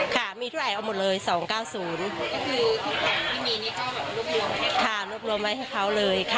ค่ะมีทุกแผงเอาหมดเลยสองเก้าศูนย์คือทุกแผงที่มีนี่ก็รูปรวมให้ค่ะ